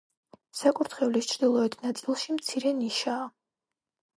საკურთხევლის ჩრდილოეთ ნაწილში მცირე ნიშაა.